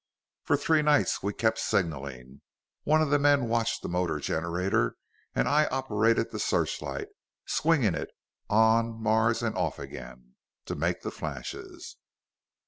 "For three nights we kept signaling. One of the men watched the motor generator, and I operated the searchlight, swinging it on Mars and off again, to make the flashes.